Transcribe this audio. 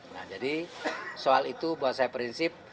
nah jadi soal itu buat saya prinsip